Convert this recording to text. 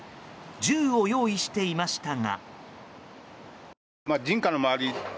銃を用意していましたが。